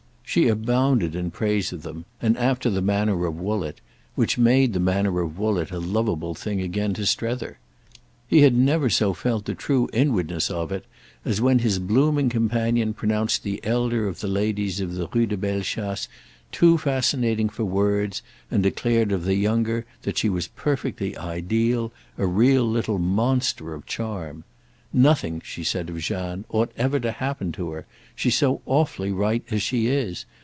She abounded in praise of them, and after the manner of Woollett—which made the manner of Woollett a loveable thing again to Strether. He had never so felt the true inwardness of it as when his blooming companion pronounced the elder of the ladies of the Rue de Bellechasse too fascinating for words and declared of the younger that she was perfectly ideal, a real little monster of charm. "Nothing," she said of Jeanne, "ought ever to happen to her—she's so awfully right as she is.